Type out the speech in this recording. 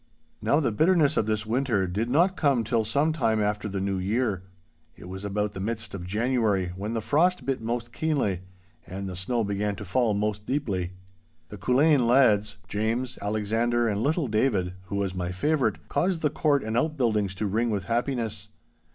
Now the bitterness of this winter did not come till some time after the New Year. It was about the midst of January when the frost bit most keenly, and the snow began to fall most deeply. The Culzean lads, James, Alexander and little David (who was my favourite), caused the court and out buildings to ring with happiness.